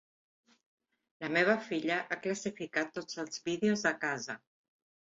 La meva filla ha classificat tots els vídeos de casa.